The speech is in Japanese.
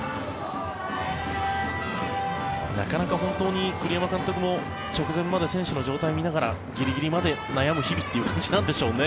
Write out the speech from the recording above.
なかなか本当に栗山監督も直前まで選手の状態を見ながらギリギリまで悩む日々という感じなんでしょうね。